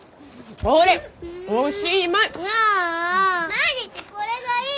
毎日これがいい！